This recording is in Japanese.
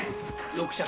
６尺。